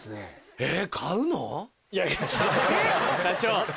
えっ？